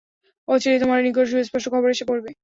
অচিরেই তোমার নিকট সুস্পষ্ট খবর এসে পড়বে।